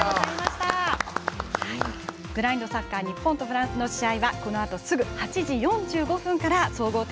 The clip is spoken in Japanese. ブラインドサッカー日本対フランスの試合はこのあとすぐ８時４５分から総合テレビで放送する予定です。